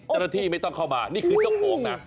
จันทีไม่ต้องเข้ามานี่คือเจ้าโค้งนะ